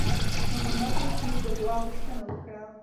محمدرسول د دعا غوښتنه وکړه.